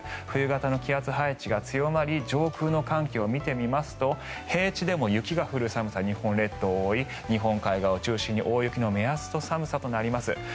冬型の気圧配置が強まり上空の寒気を見てみますと平地でも雪が降る寒さ日本列島を覆い日本海側を中心に大雪の目安の寒さとなります。